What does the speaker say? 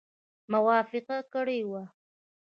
موافقه کړې وه.